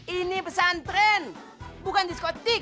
ini pesantren bukan diskotik